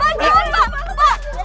pak dia nggak salah pak